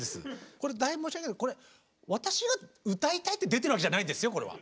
これ大変申し訳ないけど私が歌いたいって出てるわけじゃないんですよこれは。